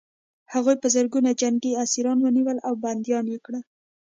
هغوی په زرګونه جنګي اسیران ونیول او بندیان یې کړل